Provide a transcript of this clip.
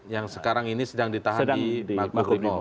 yang sekarang ini sedang ditahan di makobrimo